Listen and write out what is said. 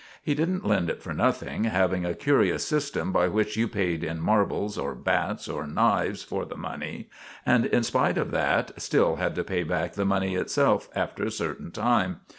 He didn't lend it for nothing, having a curious system by which you paid in marbles, or bats, or knives for the money, and, in spite of that, still had to pay back the money itself after a certain time.